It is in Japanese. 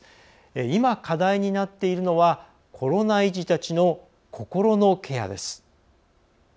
今、課題になっているのはコロナ遺児たちの心のケアです。